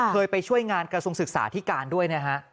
เคยไปช่วยงานกระทรวงศึกษาที่การด้วยนะฮะ